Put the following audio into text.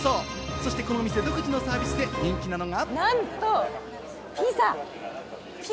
そして、このお店独自のサービスで人気なのが。